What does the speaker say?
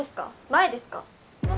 前ですか？